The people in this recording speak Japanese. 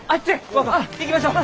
若行きましょう！